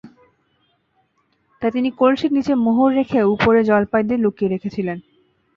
তাই তিনি কলসির নিচে মোহর রেখে ওপরে জলপাই দিয়ে লুকিয়ে রেখেছিলেন।